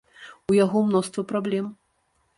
У яго мноства праблем.